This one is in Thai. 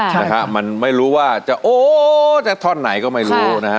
ใช่นะฮะมันไม่รู้ว่าจะโอ้จะท่อนไหนก็ไม่รู้นะฮะ